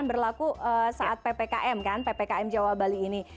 berlaku saat ppkm kan ppkm jawa bali ini